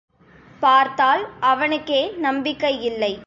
பார்த்தால் அவனுக்கே நம்பிக்கை இல்லை.